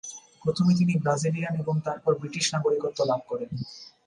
প্রথমে তিনি ব্রাজিলিয়ান এবং তারপর ব্রিটিশ নাগরিকত্ব লাভ করেন।